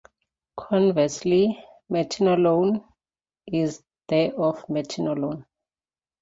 Conversely, "metenolone" is the of metenolone.